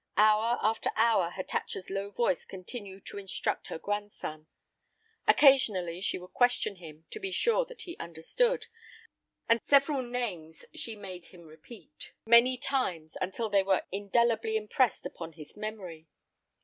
Hour after hour Hatatcha's low voice continued to instruct her grandson. Occasionally she would question him, to be sure that he understood, and several names she made him repeat many times, until they were indelibly impressed upon his memory.